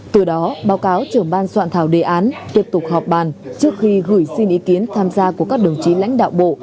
từ đó báo cáo trưởng ban soạn thảo đề án tiếp tục họp bàn trước khi gửi xin ý kiến tham gia của các đồng chí lãnh đạo bộ